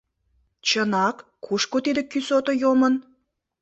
Чынак, кушко тиде кӱсото йомын?..